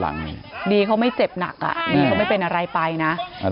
แล้วก็กำนัน